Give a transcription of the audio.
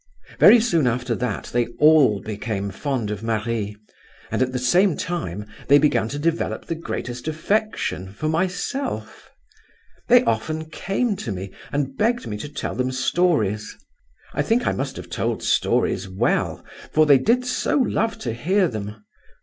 Very soon after that they all became fond of Marie, and at the same time they began to develop the greatest affection for myself. They often came to me and begged me to tell them stories. I think I must have told stories well, for they did so love to hear them.